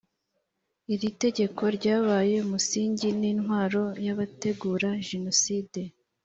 iri tegeko ryabaye umusingi n’intwaro y’abategura jenoside